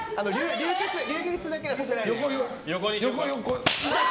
流血だけはさせないで。